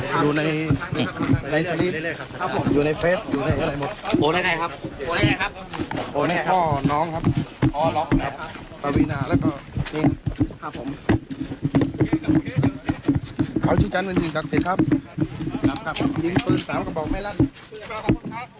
เขาชื่อจันจังห์ด์เป็นผู้จักษย์ครับยิงปืนสาวก็บอกให้ไล่ล่ะ